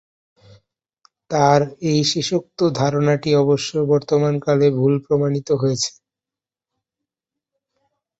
তার এই শেষোক্ত ধারণাটি অবশ্য বর্তমানকালে ভুল প্রমাণিত হয়েছে।